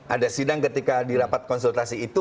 ada sidang ketika dirapat konsultasi itu